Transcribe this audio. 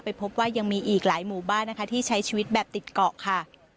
พบว่ายังมีอีกหลายหมู่บ้านนะคะที่ใช้ชีวิตแบบติดเกาะค่ะ